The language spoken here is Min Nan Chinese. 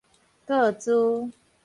個資